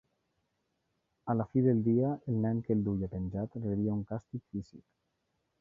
A la fi del dia el nen que el duia penjat rebia un càstig físic.